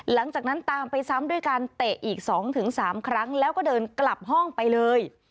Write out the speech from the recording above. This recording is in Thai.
หลังจากนั้นตามไปซ้ำด้วยการเตะอีก๒๓ครั้งแล้วก็เดินกลับห้องไปเลย